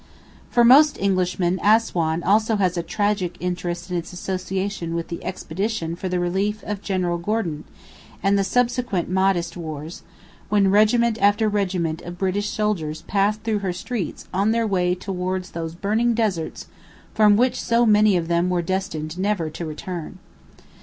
For most Englishmen Assuan has also a tragic interest in its association with the expedition for the relief of General Gordon, and the subsequent Mahdist wars, when regiment after regiment of British soldiers passed through her streets on their way towards those burning deserts from which so many of them were destined never to return.